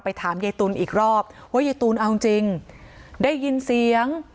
ถามยายตูนอีกรอบว่ายายตูนเอาจริงได้ยินเสียง